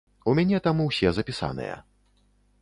У мяне там усе запісаныя.